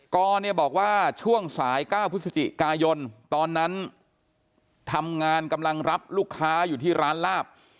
กรเนี่ยบอกว่าช่วงสาย๙พฤศจิกายนตอนนั้นทำงานกำลังรับลูกค้าอยู่ที่ร้านลาบ